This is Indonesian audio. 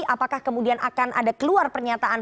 apakah kemudian akan ada keluar pernyataan